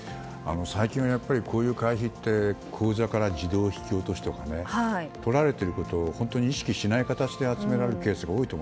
最近は、こういう会費って口座から自動引き落としとか取られていることを意識しない形で集められるケースが多いと。